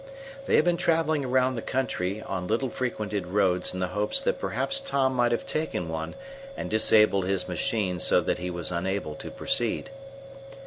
They had been traveling around the country on little frequented roads in the hope that perhaps Tom might have taken one and disabled his machine so that he was unable to proceed.